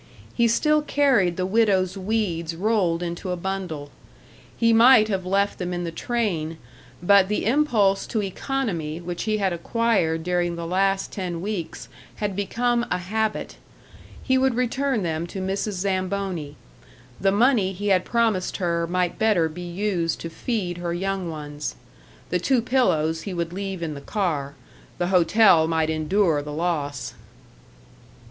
He still carried the widow's weeds rolled into a bundle. He might have left them in the train, but the impulse to economy which he had acquired during the last ten weeks had become a habit. He would return them to Mrs. Zamboni. The money he had promised her might better be used to feed her young ones. The two pillows he would leave in the car; the hotel might endure the loss!